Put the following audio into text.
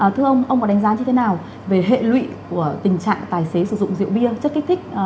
thưa ông ông có đánh giá như thế nào về hệ lụy của tình trạng tài xế sử dụng rượu bia chất kích thích